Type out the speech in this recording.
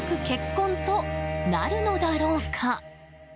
結婚となるのだろうか？